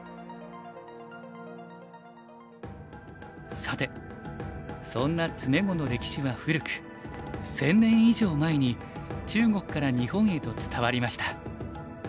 さてそんな詰碁の歴史は古く１，０００年以上前に中国から日本へと伝わりました。